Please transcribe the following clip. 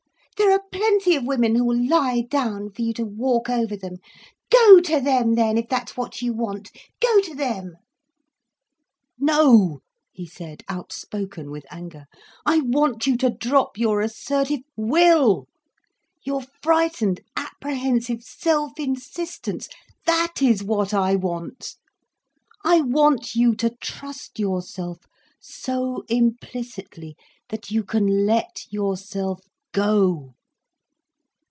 There are plenty of women who will lie down for you to walk over them—go to them then, if that's what you want—go to them." "No," he said, outspoken with anger. "I want you to drop your assertive will, your frightened apprehensive self insistence, that is what I want. I want you to trust yourself so implicitly, that you can let yourself go."